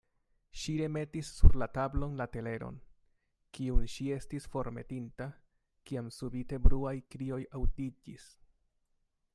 Ŝi remetis sur la tablon la teleron, kiun ŝi estis formetinta, kiam subite bruaj krioj aŭdiĝis.